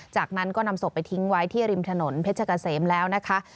จากนั้นก็นำศพไปทิ้งไว้ที่ริมถนนเพชรกะเสมแล้วนะคะ